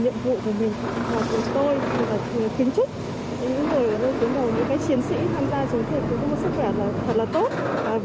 và của tôi là kính chức những người đối với những cái chiến sĩ tham gia chống dịch cũng có sức khỏe thật là tốt